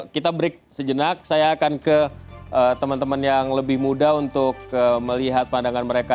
kita break sejenak saya akan ke teman teman yang lebih muda untuk melihat pandangan mereka